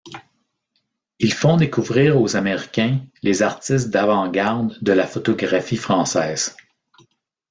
Ils font découvrir aux Américains les artistes d'avant-garde de la photographie française.